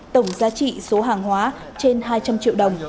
tổng giá trị số hàng hóa trên hai trăm linh triệu đồng